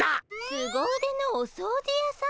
すご腕のお掃除やさん？